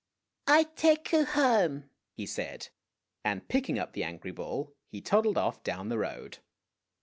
" I take oo home," he said, and picking up the angry bull, he toddled off down the road.